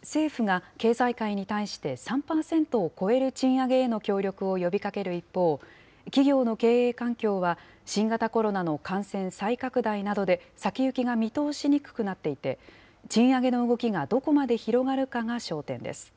政府が経済界に対して３％を超える賃上げへの協力を呼びかける一方、企業の経営環境は新型コロナの感染再拡大などで先行きが見通しにくくなっていて、賃上げの動きがどこまで広がるかが焦点です。